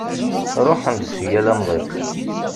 Ṛuḥen-d si yal amḍiq.